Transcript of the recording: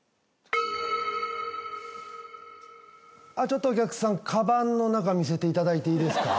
ちょっとお客さんかばんの中見せていただいていいですか？